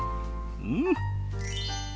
うん！